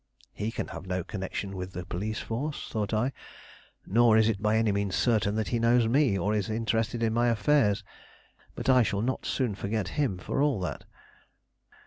"He can have no connection with the police force," thought I; "nor is it by any means certain that he knows me, or is interested in my affairs; but I shall not soon forget him, for all that."